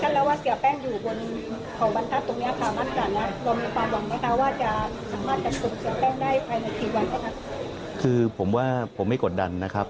จะต้องได้ภายในกี่วันนะครับคือผมว่าผมไม่กดดันนะครับ